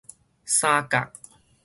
三甲